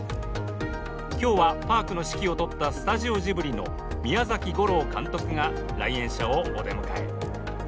今日はパークの指揮を執ったスタジオジブリの宮崎吾朗監督が来園者をお出迎え。